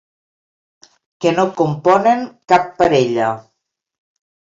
Que no componen cap parella.